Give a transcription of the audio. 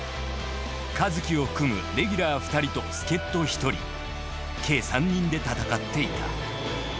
一樹を含むレギュラー２人と助っ人１人計３人で戦っていた。